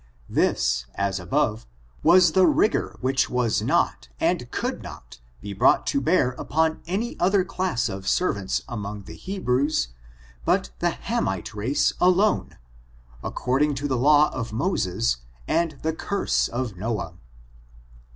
This, as above, was the rigor which was not, and could not, be brought to bear upon any other class of servants among the Hebrews, but the Hamite race alone, ac cording to the law of Moses and the curse of Noah.